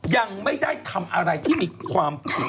ยังไม่ได้ทำอะไรที่มีความผิด